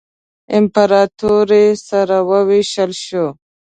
امپراطوري یې سره ووېشل شوه.